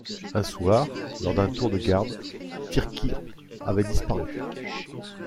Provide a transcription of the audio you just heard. Un soir, lors d'un tour de garde, Tyrkir avait disparu.